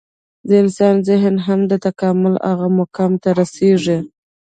د انسان ذهن هم د تکامل هغه مقام ته رسېږي.